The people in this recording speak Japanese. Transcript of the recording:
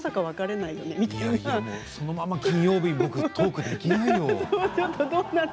このまま金曜日トークできないよ。